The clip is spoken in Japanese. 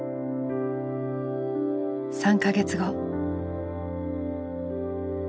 ３か月後。